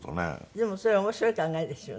でもそれ面白い考えですよね。